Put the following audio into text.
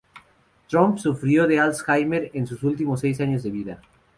Trump sufrió de Alzheimer en sus últimos seis años de vida.